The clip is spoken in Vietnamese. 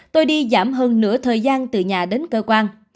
tôi đi giảm hơn nửa thời gian từ nhà đến cơ quan